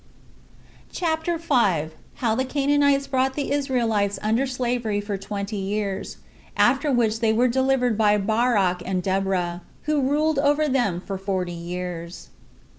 CHAPTER 5. How The Canaanites Brought The Israelites Under Slavery For Twenty Years; After Which They Were Delivered By Barak And Deborah, Who Ruled Over Them For Forty Years.